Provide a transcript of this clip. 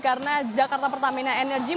karena jakarta pertamina energy putri